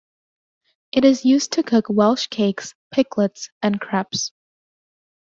It is used to cook Welsh cakes, pikelets, and crepes.